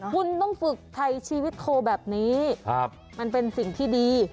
คุณต้องฝึกไทยชีวิตโคแบบนี้มันเป็นสิ่งที่ดี